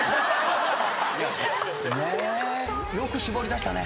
よく絞りだしたね。